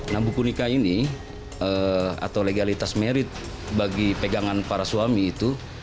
nah buku nikah ini atau legalitas merit bagi pegangan para suami itu